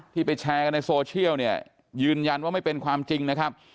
ไปแชร์กันในโซเชียลเนี่ยยืนยันว่าไม่เป็นความจริงนะครับ